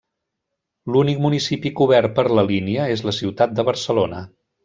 L'únic municipi cobert per la línia és la ciutat de Barcelona.